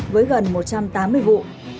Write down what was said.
với gần một trăm tám mươi vụ